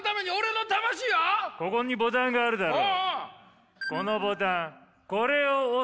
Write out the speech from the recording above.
ここにボタンがあるだろう。